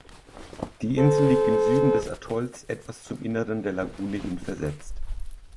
Die Insel liegt im Süden des Atolls etwas zum Innern der Lagune hin versetzt.